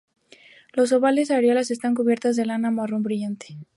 Los ovales areolas están cubiertas de lana marrón brillante.